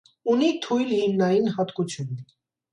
Ունի թույլ հիմնային հատկություն։